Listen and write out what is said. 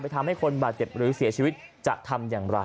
ทำให้คนบาดเจ็บหรือเสียชีวิตจะทำอย่างไร